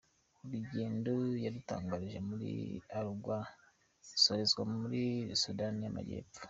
Urugendo yarutangiriye muri Uruguay rusorezwa muri Soudani y'amajyepfo.